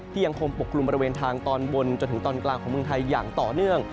ยังคงปกลุ่มบริเวณทางตอนบนจนถึงตอนกลางของเมืองไทยอย่างต่อเนื่อง